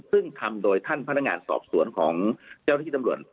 ซึ่งทำโดยท่านพนักงานสอบสวนของเจ้าหน้าที่ตำรวจ